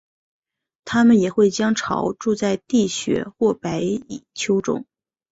它们也会将巢筑在地穴或白蚁丘中。